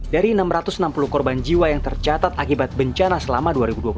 dari enam ratus enam puluh korban jiwa yang tercatat akibat bencana selama dua ribu dua puluh satu